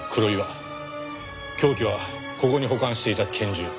凶器はここに保管していた拳銃。